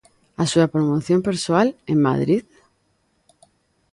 A súa promoción persoal en Madrid?